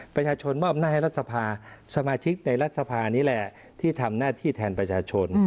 ประชาชนมอบหน้าให้รัฐสภาสมาชิกในรัฐสภานี้แหละที่ทำหน้าที่แทนประชาชน